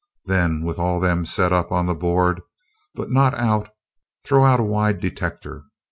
Then, with them all set up on the board, but not out, throw out a wide detector.